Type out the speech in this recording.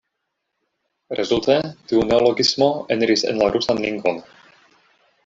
Rezulte, tiu neologismo eniris en la rusan lingvon.